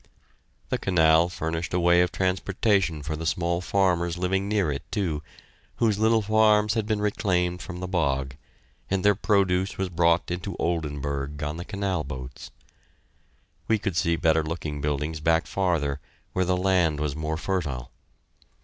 The canal furnished a way of transportation for the small farmers living near it, too, whose little farms had been reclaimed from the bog, and their produce was brought into Oldenburg on the canal boats. We could see better looking buildings back farther, where the land was more fertile.